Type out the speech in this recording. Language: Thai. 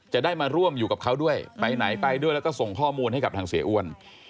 จะได้มาร่วมอยู่กับเขาด้วยไปไหนไปด้วยแล้วก็ส่งข้อมูลให้กับทางเสียอ้วน